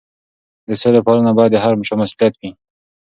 د سولې پالنه باید د هر چا مسؤلیت وي.